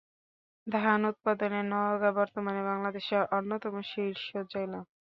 ধান উৎপাদনে নওগাঁ বর্তমানে বাংলাদেশের অন্যতম শীর্ষ জেলা।